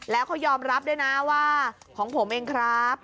แล้วเขายอมรับด้วยนะว่าของผมเองครับ